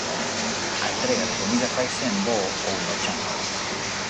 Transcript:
A entrega de comida faise en voo ou no chan.